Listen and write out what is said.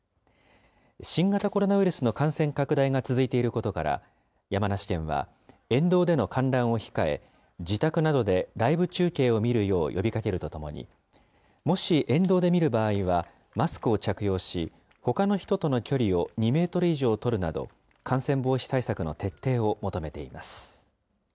新型コロナウイルスの感染拡大が続いていることから、山梨県は沿道での観覧を控え、自宅などでライブ中継を見るよう呼びかけるとともに、もし沿道で見る場合は、マスクを着用し、ほかの人との距離を２メートル以上取るなど、感染防止対策の徹底を求めています。